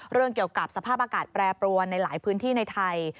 เรื่องเกี่ยวกับสภาพอากาศแปรปรวนในหลายพื้นที่ในไทย